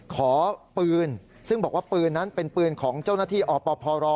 ขอปืนซึ่งบอกว่าปืนนั้นเป็นปืนของเจ้าหน้าที่อปพร